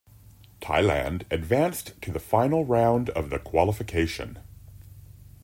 Thailand advanced to the final round of the qualification.